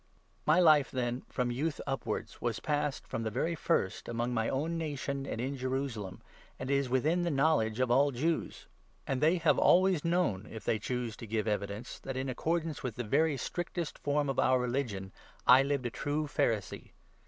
My life, then, from youth 4 upwards, was passed, from the very first, among my own nation, and in Jerusalem, and is within the knowledge of all Jews ; and they have always known — if they choose to give 5 evidence — that, in accordance with the very strictest form of our religion, I lived a true Pharisee.